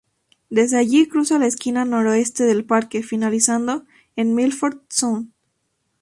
Desde allí cruza la esquina noroeste del parque, finalizando en Milford Sound.